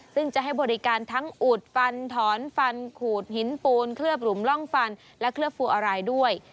ซึ่งจะให้บริการทั้งอูดฟันถอนฟันขูดหินปูนเคลือบหลุมร่องฟันและเคลือบฟูอะไรด้วย